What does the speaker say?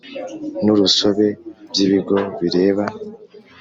N urusobe by ibigo bireba